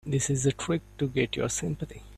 This is a trick to get your sympathy.